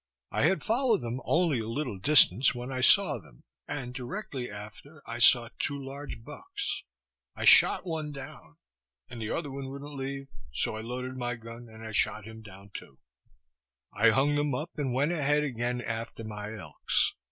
I had followed them only a little distance when I saw them, and directly after I saw two large bucks. I shot one down, and the other wouldn't leave him; so I loaded my gun, and shot him down too. I hung them up, and went ahead again after my elks.